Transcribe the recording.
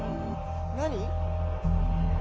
「何？」